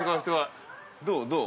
どう？